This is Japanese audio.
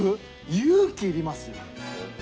勇気いりますよ。